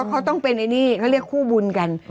เขาต้องเป็นไอ้นี่เขาเรียกคู่บุญกัน